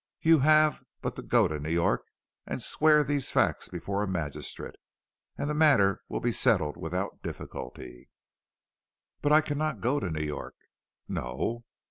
"You have but to go to New York and swear to these facts before a magistrate, and the matter will be settled without difficulty." "But I cannot go to New York." "No?